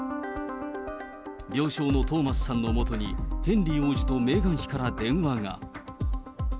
病床のトーマスさんのもとに、ヘンリー王子とメーガン妃から電話が。